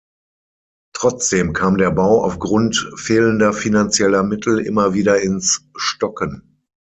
Trotzdem kam der Bau auf Grund fehlender finanzieller Mittel immer wieder ins Stocken.